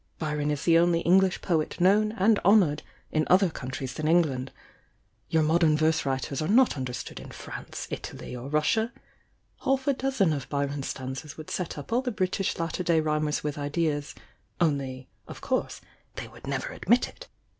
Byron is the only English 1S2 THE YOUNCi DIANA 'I 1 poet known and honoured in other countries than England — your modem verse writers are not under stood in France, Italy or Russia. Half a dozen of Byron's stanzas would set up all the British latter day rhymers with ideas, — only, of course, they would never admit it.